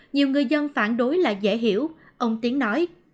nhưng người dân phản đối là dễ hiểu ông tiến nói